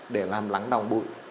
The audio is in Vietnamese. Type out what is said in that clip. để làm lắng đỏng bụi